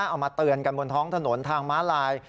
เอามาเตือนกันบนท้องถนนทางม้าลาย